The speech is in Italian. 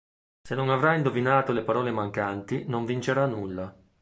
Se non avrà indovinato le parole mancanti non vincerà nulla.